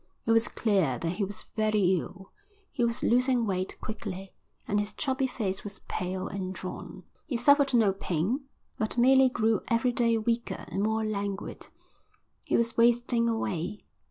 It was clear that he was very ill, he was losing weight quickly, and his chubby face was pale and drawn. He suffered no pain, but merely grew every day weaker and more languid. He was wasting away.